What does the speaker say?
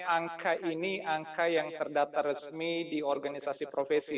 angka ini angka yang terdata resmi di organisasi profesi